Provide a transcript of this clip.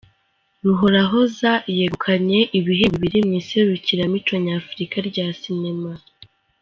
Ruhorahoza yegukanye ibihembo bibiri mu iserukiramuco nyafurika rya sinema